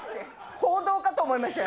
報道かと思いましたよ。